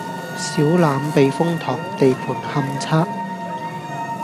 小欖避風塘地盤勘測